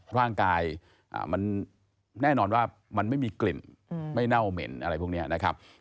ร่างกายมันแน่นอนว่ามันไม่มีกลิ่นไม่เน่าเหม็นอะไรพวกนี้นะครับ